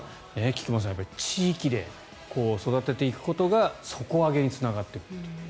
菊間さん、地域で育てていくことが底上げにつながっていく。